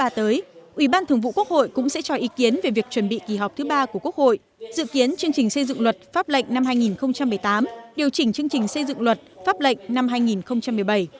ủy ban thường vụ quốc hội cũng sẽ cho ý kiến về việc chuẩn bị kỳ họp thứ ba của quốc hội dự kiến chương trình xây dựng luật pháp lệnh năm hai nghìn một mươi tám điều chỉnh chương trình xây dựng luật pháp lệnh năm hai nghìn một mươi bảy